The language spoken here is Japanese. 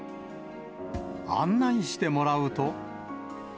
案内してもらうと。